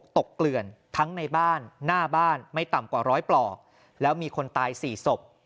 เกลื่อนทั้งในบ้านหน้าบ้านไม่ต่ำกว่าร้อยปลอกแล้วมีคนตายสี่ศพ